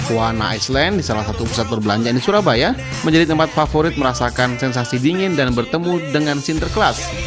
wahana iceland di salah satu pusat perbelanjaan di surabaya menjadi tempat favorit merasakan sensasi dingin dan bertemu dengan sinterklas